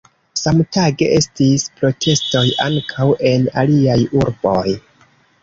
Samtage estis protestoj ankaŭ en aliaj urboj.